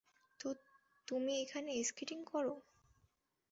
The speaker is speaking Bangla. তো, তুমি এখনো স্কেটিং করো?